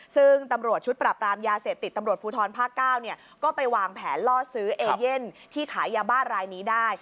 ซึ่งตำรวจชุดปรับรามยาเสพติดตำรวจภูทรภาค๙ก็ไปวางแผนล่อซื้อเอเย่นที่ขายยาบ้ารายนี้ได้